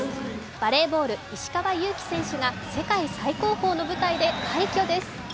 バレーボール、石川祐希選手が世界最高峰の舞台で快挙です。